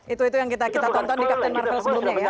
itu itu yang kita tonton di captain marvel sebelumnya ya